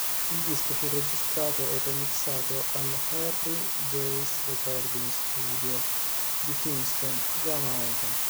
Il disco fu registrato e remixato all'Harry J's Recording Studio di Kingston, Jamaica.